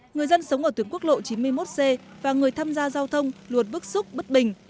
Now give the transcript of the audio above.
người dân sống ở tuyến quốc lộ chín mươi một c và người tham gia giao thông luôn bức xúc bất bình